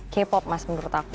k pop mas menurut aku